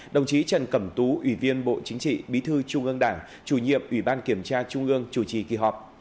đồng chí trần cẩm tú ủy viên bộ chính trị bí thư trung ương đảng chủ nhiệm ủy ban kiểm tra trung ương chủ trì kỳ họp